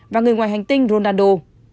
và người ngoài hành tinh ronaldo